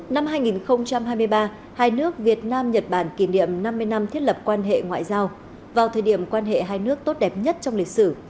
năm hai nghìn hai mươi ba hai nước việt nam nhật bản kỷ niệm năm mươi năm thiết lập quan hệ ngoại giao vào thời điểm quan hệ hai nước tốt đẹp nhất trong lịch sử